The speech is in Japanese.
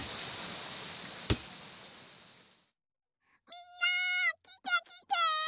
みんなきてきて！